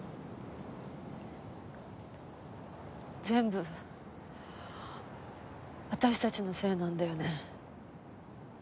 全部私たちのせいなんだよね。